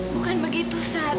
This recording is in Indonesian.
bukan begitu sat